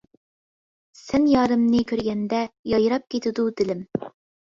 سەن يارىمنى كۆرگەندە، يايراپ كېتىدۇ دىلىم.